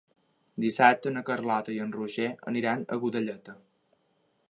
Dissabte na Carlota i en Roger aniran a Godelleta.